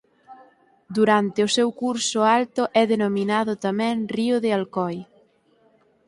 Durante o seu curso alto é denominado tamén "Río de Alcoi".